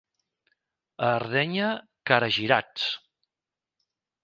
A Ardenya, caragirats.